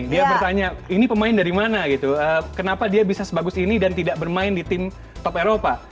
dia bertanya ini pemain dari mana gitu kenapa dia bisa sebagus ini dan tidak bermain di tim top eropa